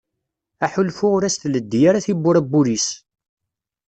Aḥulfu ur as-teldi ara tiwwura n wul-is.